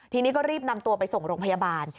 ทีนี้ก็รีบนำตัวไปส่งโรงพยาบาล